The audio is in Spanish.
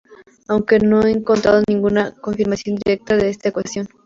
Aunque no encontrado ninguna confirmación directa de esta ecuación.